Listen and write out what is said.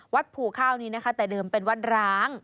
ภูข้าวนี้นะคะแต่เดิมเป็นวัดร้าง